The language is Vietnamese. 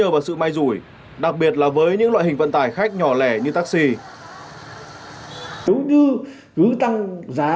và doanh nghiệp vận tải muốn tăng giá